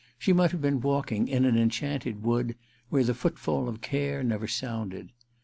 She might have been walking in an enchanted wood where the footfall of care never sounded.